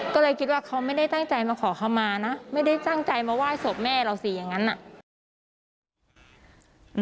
ก็เลยคิดว่าเขาไม่ได้ตั้งใจมาขอคำมานะไม่ได้ตั้งใจมาไหว้ศพแม่เราสิอย่างนั้นน่ะ